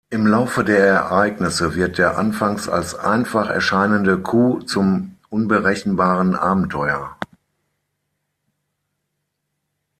Im Laufe der Ereignisse wird der anfangs als einfach erscheinende Coup zum unberechenbaren Abenteuer.